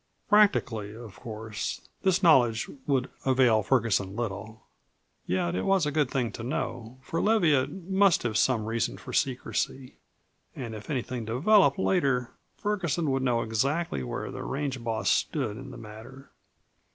Practically, of course, this knowledge would avail Ferguson little. Yet it was a good thing to know, for Leviatt must have some reason for secrecy, and if anything developed later Ferguson would know exactly where the range boss stood in the matter.